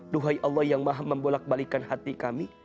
duhai allah yang maha membolakbalikan hati kami